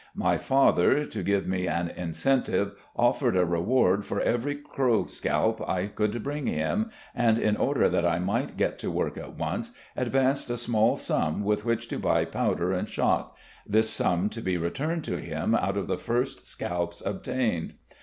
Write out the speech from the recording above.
My father, to give me an incentive, offered a reward for every crow scalp I could bring him, and, in order that I might get to work at once, advanced a small sum with which to buy powder and shot, this sum to be returned to him out of the first scalps obtained.